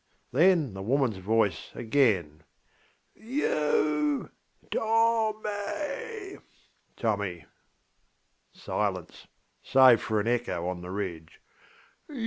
Then the womanŌĆÖs voice againŌĆö ŌĆśYou, Tom may! ŌĆÖ (Tommy.) Silence, save for an echo on the ridge.